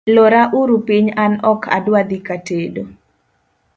lora uru piny an ok adwa dhi katedo